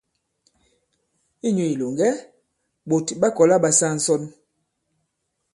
Inyū ilòŋgɛ, ɓòt ɓa kɔ̀la ɓa saa ǹsɔn.